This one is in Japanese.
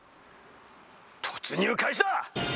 突入開始だ！